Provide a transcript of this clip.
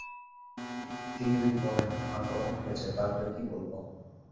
তিনি যদি বলেন হাঁ গরম পড়েছে, তার পরে কী বলব?